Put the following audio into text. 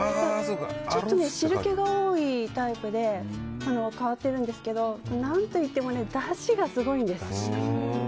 ちょっと汁気が多いタイプで変わっているんですが何といってもだしがすごいんです。